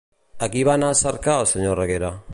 A qui va anar a cercar el senyor Reguera?